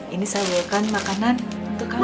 ini saya jualkan makanan untuk kamu